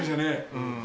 うん。